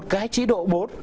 một cái chí độ bốn